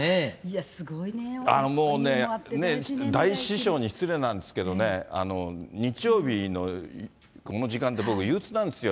もうね、大師匠に失礼なんですけどね、日曜日のこの時間って、僕、憂うつなんですよ。